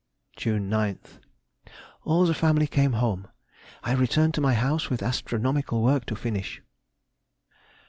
June 9th.—All the family came home. I returned to my house with astronomical work to finish.